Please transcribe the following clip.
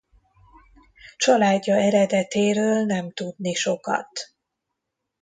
Családja eredetéről nem tudni sokat.